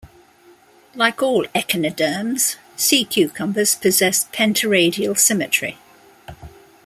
Like all echinoderms, sea cucumbers possess pentaradial symmetry.